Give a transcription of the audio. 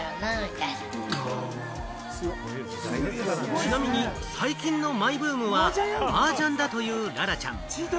ちなみに最近のマイブームはマージャンだという、ららちゃん。